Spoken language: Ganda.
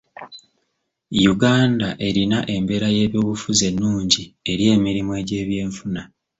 Uganda erina embeera y'ebyobufuzi ennungi eri emirimu egy'ebyenfuna.